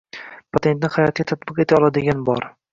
Patentni hayotga tatbiq eta oladigan bor